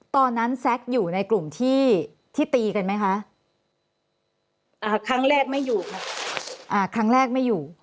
แซ็กอยู่ในกลุ่มที่ตีกันไหมคะครั้งแรกไม่อยู่ค่ะครั้งแรกไม่อยู่